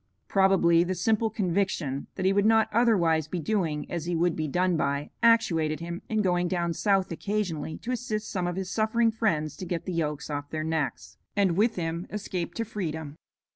Probably the simple conviction that he would not otherwise be doing as he would be done by actuated him in going down South occasionally to assist some of his suffering friends to get the yokes off their necks, and with him escape to freedom.